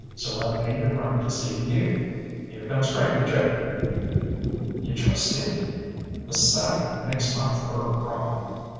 So I made a run to see you. Here comes Cranky Joe." "You trust him?" "The sight of him makes my fur crawl."